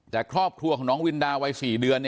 แต่ครอบครัวของน้องวินดาวัย๔เดือน